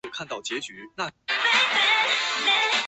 张廷玉是其次子。